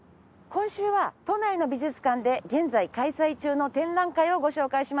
今週は都内の美術館で現在開催中の展覧会をご紹介します。